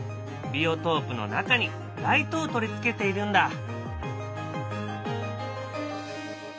ビオトープの中にライトを取り付けているんだ。